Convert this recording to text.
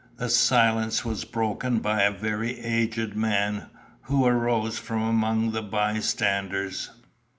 The silence was broken by a very aged man who arose from among the bystanders.